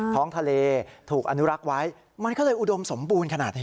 ท้องทะเลถูกอนุรักษ์ไว้มันก็เลยอุดมสมบูรณ์ขนาดนี้